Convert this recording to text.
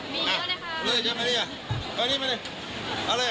มีเยอะนะคะเอาเลยเอาเลยเอาเลยเอาเลยเอาเลยเอาเลยเอาเลย